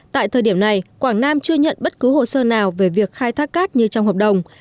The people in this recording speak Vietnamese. tại thời điểm này quảng nam chưa nhận bất cứ hồ sơ nào về việc khai thác cát như trong hợp đồng